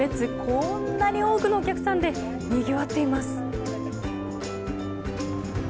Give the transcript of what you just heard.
こんなに多くのお客さんでにぎわっています。